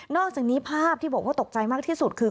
อกจากนี้ภาพที่บอกว่าตกใจมากที่สุดคือ